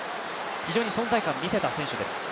非常に存在感を見せた選手です。